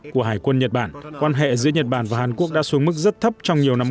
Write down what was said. của hải quân nhật bản quan hệ giữa nhật bản và hàn quốc đã xuống mức rất thấp trong nhiều năm